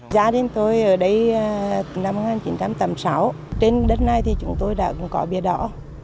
gia đình tôi ở đây năm một nghìn chín trăm tám mươi sáu trên đất này thì chúng tôi đã có bia đỏ